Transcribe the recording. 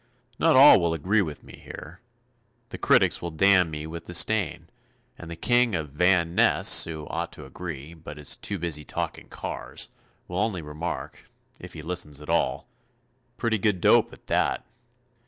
Not all will agree with me here. The critics will damn me with disdain, and the King of Van Ness, who ought to agree, but is too busy talking cars, will only remark, if he listens at all: "Pretty good dope at that."